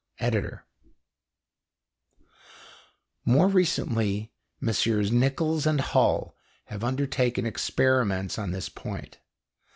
ED.] More recently, MM. Nichols and Hull have undertaken experiments on this point.